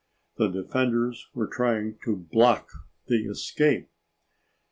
The defenders were trying to block the escape.